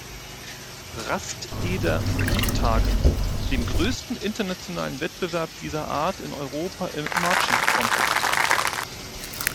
Rasteder Musiktagen“, dem größten Internationalen Wettbewerb dieser Art in Europa im Marching-Contest.